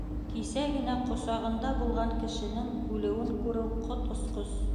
Кисә генә ҡосағыңда булған кешенең үлеүен күреү ҡот осҡос.